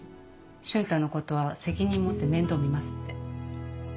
「瞬太のことは責任持って面倒見ます」って。